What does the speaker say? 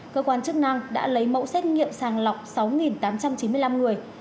cơ quan chức năng đã lấy mẫu xét nghiệm sàng lọc sáu tám trăm chín mươi năm người